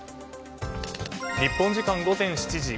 日本時間午前７時。